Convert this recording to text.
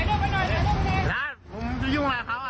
โอโห